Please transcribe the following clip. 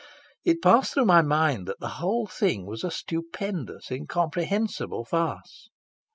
It passed through my mind that the whole thing was a stupendous, incomprehensible farce.